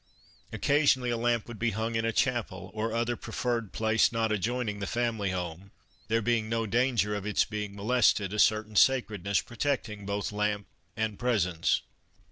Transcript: Occasionally a lamp would be hung in a chapel or other preferred place not adjoining the family home, there being no danger of its being molested, a certain sacredness protecting both lamp and presents.